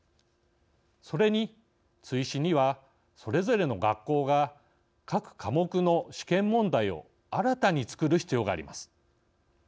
それに、追試にはそれぞれの学校が各科目の試験問題を新たに作る必要があります。